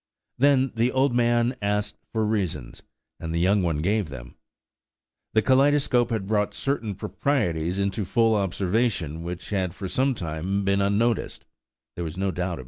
Then the old man asked for reasons, and the young one gave them. The kaleidoscope had brought certain proprieties into full observation which had for some time been unnoticed–there was no doubt about that.